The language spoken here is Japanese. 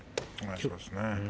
そうですね。